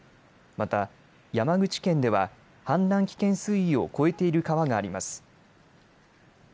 また、山口県では氾濫危険水位を超えている川があります。